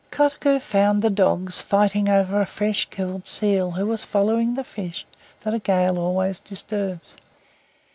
Kotuko found the dogs fighting over a fresh killed seal who was following the fish that a gale always disturbs.